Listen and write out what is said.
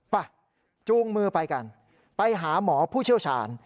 ไปจูงมือไปกันไปหาหมอผู้เชี่ยวชาญ